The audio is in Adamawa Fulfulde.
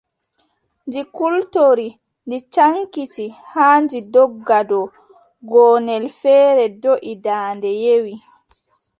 Ɗi kultori, ɗi caŋkiti, haa ɗi ndogga ɗo, gonnel feere doʼi, daande yewi.